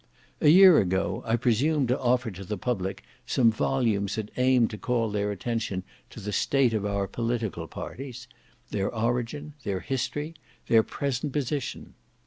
A year ago. I presumed to offer to the public some volumes that aimed to call their attention to the state of our political parties; their origin, their history, their present position.